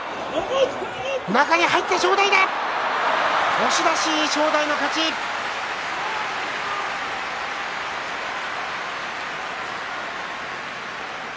押し出し正代の勝ちです。